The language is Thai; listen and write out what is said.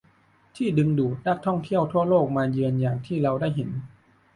ที่ดึงดูดนักท่องเที่ยวทั่วโลกมาเยือนอย่างที่เราได้เห็น